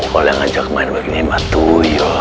boleh ngajak main main ini matuyo